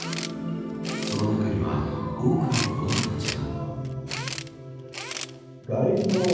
その中には多くの子どもたちが。